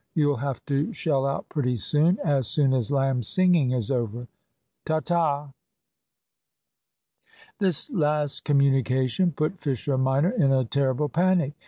You'll have to shell out pretty soon, as soon as Lamb's singing is over. Ta, ta." This last communication put Fisher minor in a terrible panic.